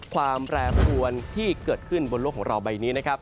ความแปรปวนที่เกิดขึ้นบนโลกของเราใบนี้นะครับ